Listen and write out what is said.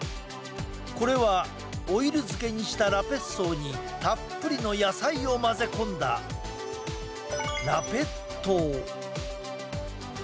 これはオイル漬けにしたラペッソーにたっぷりの野菜を混ぜ込んだラペットウ。